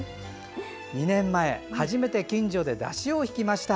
２年前、初めて近所で山車を引きました。